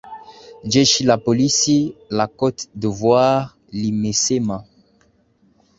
jeshi la polisi la cote de voire limesema